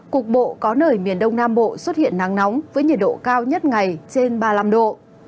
cục bộ có nơi miền đông nam bộ xuất hiện nắng nóng với nhiệt độ cao nhất ngày trên ba mươi năm độ